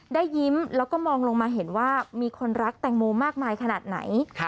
ได้ยิ้มแล้วก็มองลงมาเห็นว่ามีคนรักแตงโมมากมายขนาดไหน